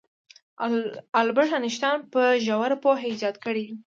البرت انیشټین په ژوره پوهه ایجاد کړی دی.